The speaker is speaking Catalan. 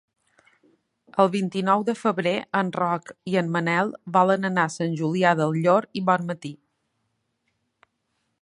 El vint-i-nou de febrer en Roc i en Manel volen anar a Sant Julià del Llor i Bonmatí.